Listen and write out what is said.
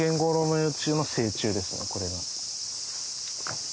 これが。